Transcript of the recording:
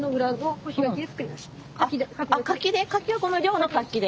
柿をこの寮の柿で？